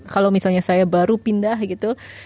kalau misalnya saya baru pindah gitu